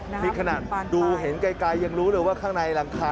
นี่ขนาดดูเห็นไกลยังรู้เลยว่าข้างในหลังคา